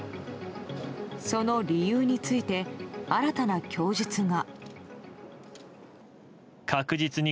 その理由について新たな供述が。